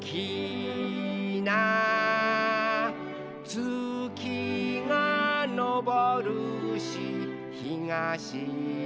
「つきがのぼるしひがしずむ」